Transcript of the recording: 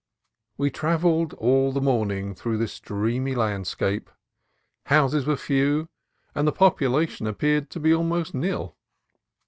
We travelled all the morning through this dreamy landscape. Houses were few, and population ap peared to be almost nil.